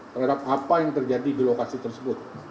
terhadap apa yang terjadi di lokasi tersebut